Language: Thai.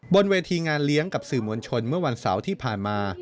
บนเวทีงานเลี้ยงกับสื่อมวลชนเมื่อวันเสาร์ที่ผ่านมา